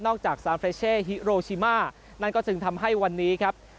จากซานเฟรเช่ฮิโรชิมานั่นก็จึงทำให้วันนี้ครับ